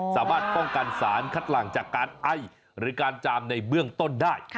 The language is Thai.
สามารถป้องกันสารคัดหลังจากการไอหรือการจามในเบื้องต้นได้